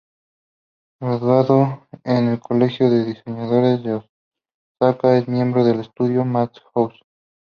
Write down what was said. Graduado en el Colegio de Diseñadores de Osaka, es miembro del estudio Madhouse.